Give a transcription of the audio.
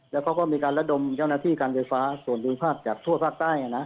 แล้วเขาก็มีการระดมเจ้าหน้าที่การไฟฟ้าส่วนภูมิภาคจากทั่วภาคใต้